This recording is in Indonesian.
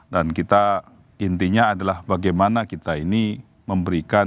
dan kita intinya adalah bagaimana kita ini memberikan kemampuan